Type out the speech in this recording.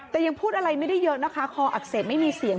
แต่ยังพูดอะไรไม่ได้เยอะนะคะคออักเสบไม่มีเสียง